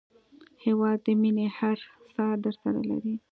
هېواد د مینې هره ساه درسره لري.